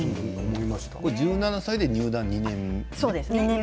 １７歳で入団２年目？